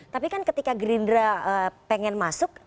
tapi kan ketika gerindra pengen masuk